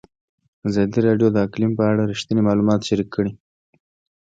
ازادي راډیو د اقلیم په اړه رښتیني معلومات شریک کړي.